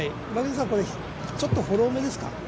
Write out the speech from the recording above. これ、ちょっとフォローめですか？